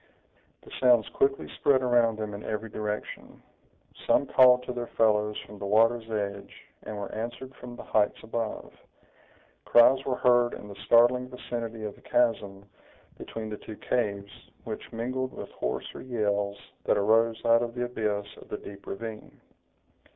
The sounds quickly spread around them in every direction. Some called to their fellows from the water's edge, and were answered from the heights above. Cries were heard in the startling vicinity of the chasm between the two caves, which mingled with hoarser yells that arose out of the abyss of the deep ravine.